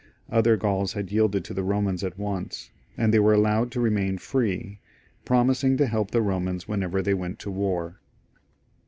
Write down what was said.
Other Gauls had yielded to the Romans at once, and they were allowed to remain free, promising to help the Romans whenever they went to war.